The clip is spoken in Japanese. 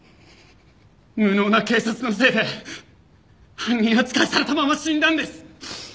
無能な警察のせいで犯人扱いされたまま死んだんです！